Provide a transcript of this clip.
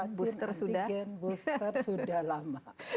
lengkap divaksin antigen booster sudah lama